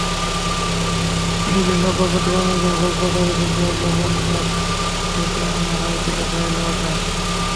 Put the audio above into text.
চিংড়ির লার্ভা প্রতিপালনের জন্য কক্সবাজারের পেকুয়ার লবণ মাঠ থেকে আনা হয়েছিল ব্রাইল ওয়াটার।